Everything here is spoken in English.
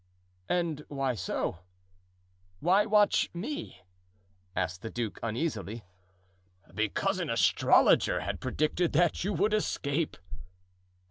"And why so? why watch me?" asked the duke uneasily. "Because an astrologer had predicted that you would escape."